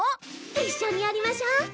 一緒にやりましょう。